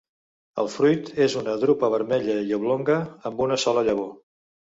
El fruit és una drupa vermella i oblonga amb una sola llavor.